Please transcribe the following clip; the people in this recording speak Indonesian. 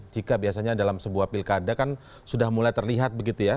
jika biasanya dalam sebuah pilkada kan sudah mulai terlihat begitu ya